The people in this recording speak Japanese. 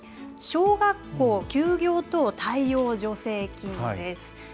小学校休業等対応助成金です。